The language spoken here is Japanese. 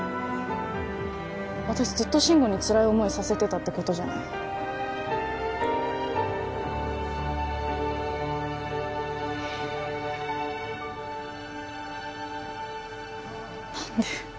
私ずっと慎吾につらい思いさせてたってことじゃないえっ